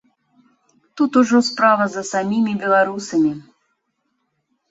Тут ужо справа за самімі беларусамі.